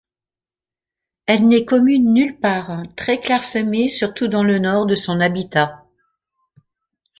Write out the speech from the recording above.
Elle n'est commune nulle part, très clairsemée surtout dans le nord de son habitat.